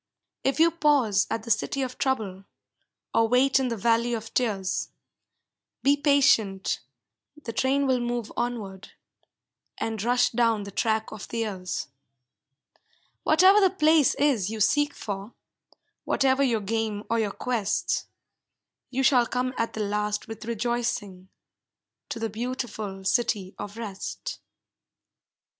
If you pause at the City of Trouble, Or wait in the Valley of Tears, Be patient, the train will move onward, And rush down the track of the years. Whatever the place is you seek for, Whatever your game or your quest, You shall come at the last with rejoicing, To the beautiful City of Rest.